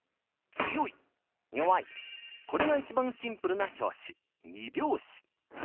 これが一番シンプルな拍子２拍子。